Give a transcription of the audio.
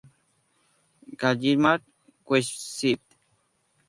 Gallimard website